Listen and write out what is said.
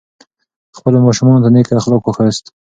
خپلو ماشومانو ته نیک اخلاق وښایاست.